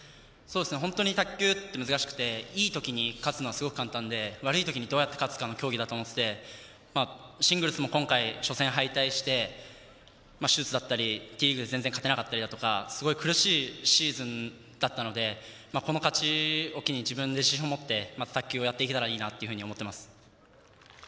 本当に卓球って難しくていいときに勝つのは簡単で悪いときにどうやって勝つかという競技だと思っていてダブルスも初戦敗退して手術だったりＴリーグで全然勝てなかったりだとかすごい苦しいシーズンだったのでこの勝ちを機に自分で自信を持ってまた卓球をやっていけたらいいなと思っています。